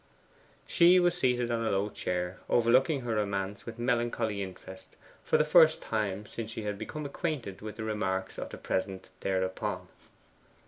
She was seated on a low chair, looking over her romance with melancholy interest for the first time since she had become acquainted with the remarks of the PRESENT thereupon.